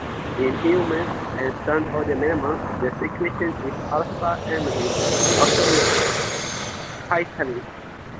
In humans and some other mammals the secretion is alpha-amylase, also known as "ptyalin".